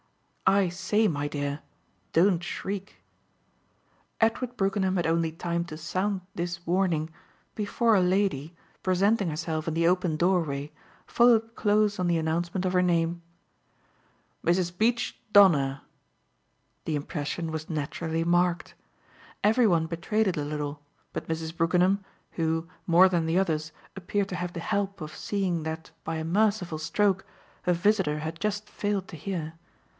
"I say, my dear, don't shriek!" Edward Brookenham had only time to sound this warning before a lady, presenting herself in the open doorway, followed close on the announcement of her name. "Mrs. Beach Donner!" the impression was naturally marked. Every one betrayed it a little but Mrs. Brookenham, who, more than the others, appeared to have the help of seeing that by a merciful stroke her visitor had just failed to hear.